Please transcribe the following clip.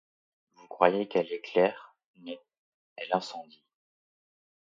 Vous croyez qu’elle éclaire, non, elle incendie.